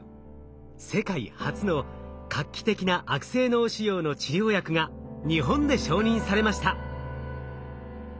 世界初の画期的な悪性脳腫瘍の治療薬が日本で承認されました。